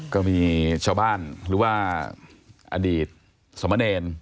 ก็มีชาวบ้านหรือว่าอดีตสมเนร